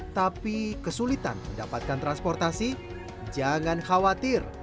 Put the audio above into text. tapi kesulitan mendapatkan transportasi jangan khawatir